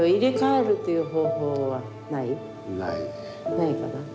ないかな。